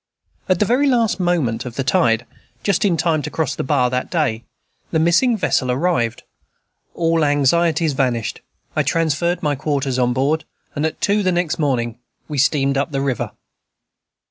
At the very last moment of the tide, just in time to cross the bar that day, the missing vessel arrived; all anxieties vanished; I transferred my quarters on board, and at two the next morning we steamed up the river.